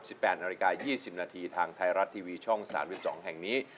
สิบแปดนาฬิกา๒๐นาทีทางไทยรัดทีวีช่อง๓๒๒แห่งนี้